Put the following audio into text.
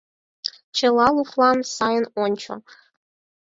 Чыла луклам сайын ончо.